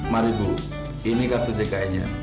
mari bu ini kartu dki nya